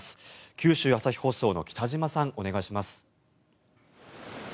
九州朝日放送の北島さん、お願いします。